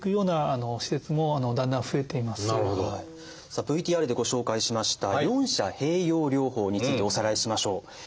さあＶＴＲでご紹介しました四者併用療法についておさらいしましょう。